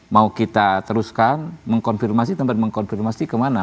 mau kita teruskan mengkonfirmasi tempat mengkonfirmasi kemana